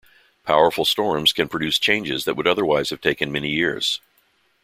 Powerful storms can produce changes that would otherwise have taken many years.